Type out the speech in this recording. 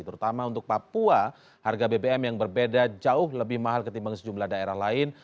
terutama untuk papua harga bbm yang berbeda jauh lebih mahal ketimbang sejumlah daerah lain